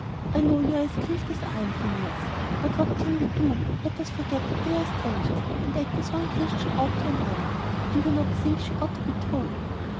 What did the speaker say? "I know you are as grieved as I am, Phineas. What can we do? Let us forget that they are strangers, and act as one Christian ought to another. Do YOU not think she ought to be told?"